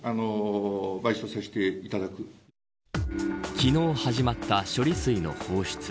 昨日始まった処理水の放出。